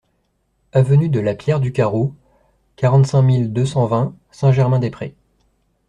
Avenue de la Pierre du Carreau, quarante-cinq mille deux cent vingt Saint-Germain-des-Prés